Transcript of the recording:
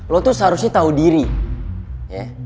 lo tuh seharusnya tahu diri ya